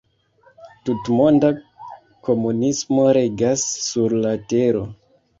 Tutmonda komunismo regas sur la Tero.